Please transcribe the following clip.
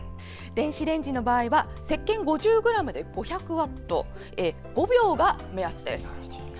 電子レンジの場合はせっけん５０ｇで５００ワット、５秒が目安です。